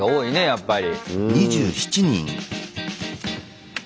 やっぱり。